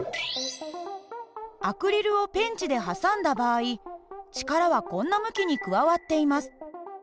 アクリルをペンチで挟んだ場合力はこんな向きに加わっています。